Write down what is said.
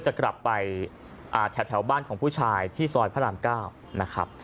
จะกลับไปแถวบ้านของผู้ชายที่ซอยพระราม๙นะครับ